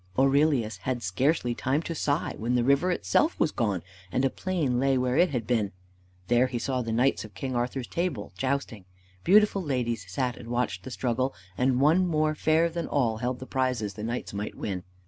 Aurelius had scarcely time to sigh, when the river itself was gone, and a plain lay where it had been. There he saw the knights of King Arthur's Table jousting. Beautiful ladies sat and watched the struggle, and one more fair than all held the prizes the knights might win.